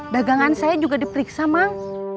dagangan saya juga diperiksa mang